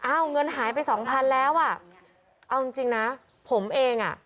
เงินหายไปสองพันแล้วอ่ะเอาจริงจริงนะผมเองอ่ะ